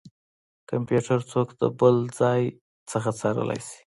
کمپيوټر څوک د بل ځای نه څارلی شي.